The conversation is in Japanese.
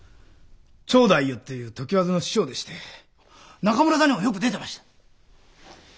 蝶太夫っていう常磐津の師匠でして中村座にもよく出てました。